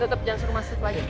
tetap jangan suruh masuk lagi